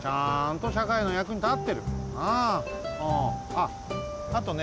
あっあとね